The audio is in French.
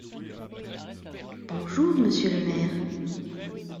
Bonjour, monsieur le Maire.